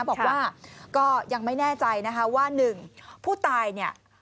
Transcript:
บอกว่าก็ยังไม่แน่ใจนะคะว่าหนึ่งผู้ตายเนี่ย